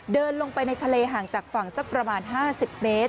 เดินลงไปในทะเลห่างจากฝั่งสักประมาณ๕๐เมตร